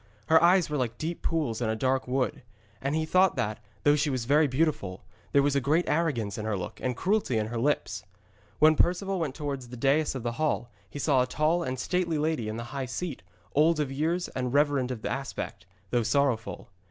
Her eyes were like deep pools in a dark wood. And he thought that, though she was very beautiful, there was great arrogance in her look and cruelty in her lips. When Perceval went towards the dais of the hall he saw a tall and stately lady in the high seat, old of years and reverend of aspect, though sorrowful.